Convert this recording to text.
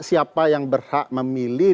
siapa yang berhak memilih